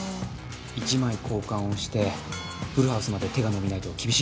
１枚交換をしてフルハウスまで手が伸びないと厳しいね。